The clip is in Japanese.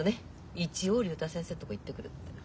一応竜太先生んとこ行ってくるって。